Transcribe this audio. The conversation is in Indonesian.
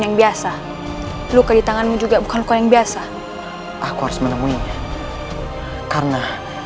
yang biasa luka di tanganmu juga bukan luka yang biasa aku harus menemuinya karena